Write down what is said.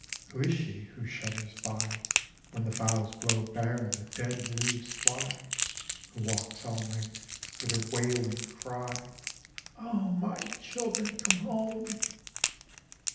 IV Who is she who shudders by When the boughs blow bare and the dead leaves fly? Who walks all night with her wailing cry, "O my children, come home!"